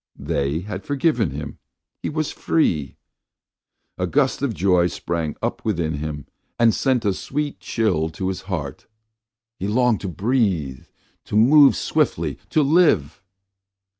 They had forgiven him; he was free! A gust of joy sprang up within him and sent a sweet chill to his heart. He longed to breathe, to move swiftly, to live!